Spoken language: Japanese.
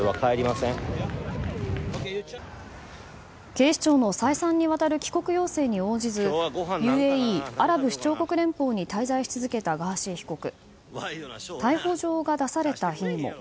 警視庁の再三にわたる帰国要請に応じずＵＡＥ・アラブ首長国連邦に滞在し続けたガーシー被告。